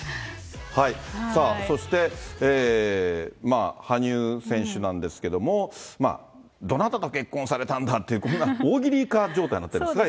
さあ、そして、羽生選手なんですけども、どなたと結婚されたんだって、大喜利化状態になっているんですか。